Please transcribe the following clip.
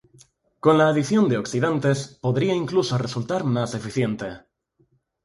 Con la adición de oxidantes, podría incluso resultar más eficiente.